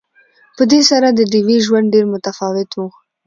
په دې سره د ډیوې ژوند ډېر متفاوت وو